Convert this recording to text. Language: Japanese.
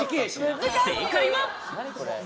正解は。